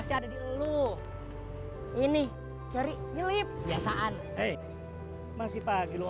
iya gak sengaja maaf ya ko